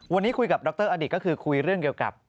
วันนี้คุยกับดรอดิษฐ์ก็คือคุยเรื่องเกี่ยวกับ